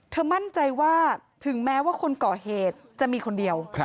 มั่นใจว่าถึงแม้ว่าคนก่อเหตุจะมีคนเดียว